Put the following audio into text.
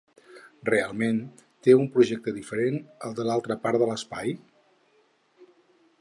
Realment té un projecte diferent al de l’altra part de l’espai?